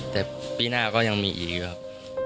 แต่ปีหน้าก็ยังมีอีกครับ